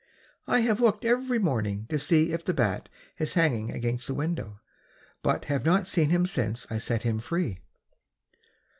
I have looked every morning to see if the bat is hanging against the window, but have not seen him since I set him free.